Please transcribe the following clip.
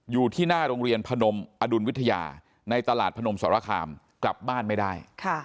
อยู่ที่หน้าโรงเรียนพนมอดุลวิทยาในตลาดพนมสรคามกลับบ้านไม่ได้